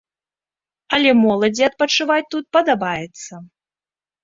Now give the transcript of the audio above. Але моладзі адпачываць тут падабаецца.